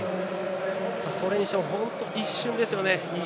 それにしても一瞬ですよね。